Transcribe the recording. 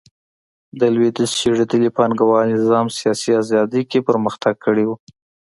د لوېدیځ شړېدلي پانګوال نظام سیاسي ازادي کې پرمختګ کړی و